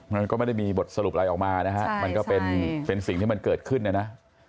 มันก็ไม่ได้มีบทสรุปอะไรออกมานะฮะมันก็เป็นสิ่งที่มันเกิดขึ้นนะนะ